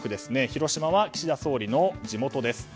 広島は岸田総理の地元です。